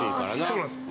そうなんです。